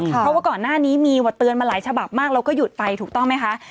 เพราะว่าก่อนหน้านี้มีเตือนมาหลายฉบับมากเราก็หยุดไปถูกต้องไหมคะ